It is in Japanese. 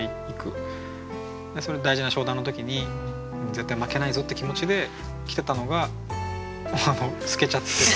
それで大事な商談の時に絶対負けないぞって気持ちで着てたのが透けちゃってた。